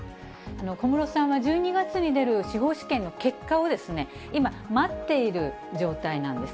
小室さんは１２月に出る司法試験の結果を、今、待っている状態なんです。